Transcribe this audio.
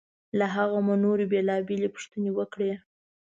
له هغه مو نورې بېلابېلې پوښتنې وکړې.